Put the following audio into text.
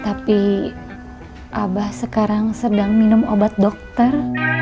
tapi abah sekarang sedang minum obat dokter